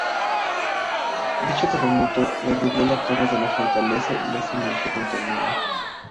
Dicho terremoto derribó la torre de la fortaleza y la señal que contenía.